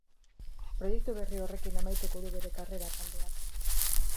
Proiektu berri horrekin amaituko du bere karrera taldeak.